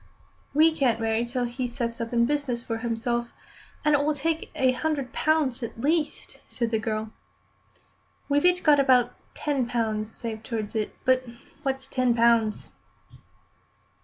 "We can't marry till he sets up in business for himself, and it will take a hundred pounds at least," said the girl. "We've each got about ten pounds saved towards it. But what's ten pounds?"